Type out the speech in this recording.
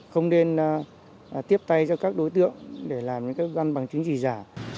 không nên tiếp tay cho các đối tượng để làm những cái găn bằng chứng trì giả